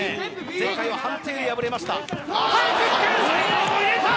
前回は判定で敗れました。